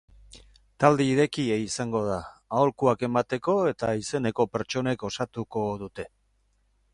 Talde irekia izango da, aholkuak emateko eta izeneko pertsonek osatuko dute.